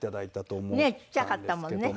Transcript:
ちっちゃかったもんね。